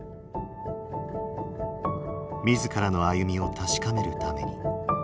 自らの歩みを確かめるために。